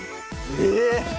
えっ！